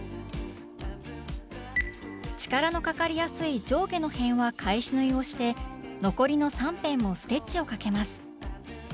力のかかりやすい上下の辺は返し縫いをして残りの３辺もステッチをかけます